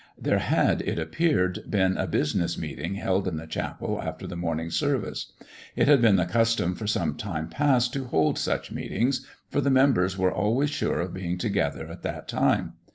There had, it appeared, been a business meeting held in the chapel after the morning service. It had been the custom for some time past to hold such meetings, for the members were always sure of being together at that time.